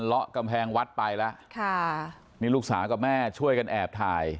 ละกำแพงวัดไปแล้วค่ะนี่ลูกสาวกับแม่ช่วยกันแอบถ่าย